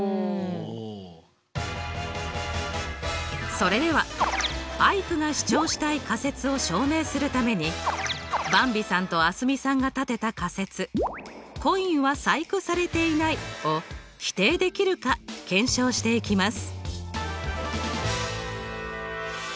それではアイクが主張したい仮説を証明するためにばんびさんと蒼澄さんが立てた仮説「コインは細工されていない」を否定できるか検証していきます。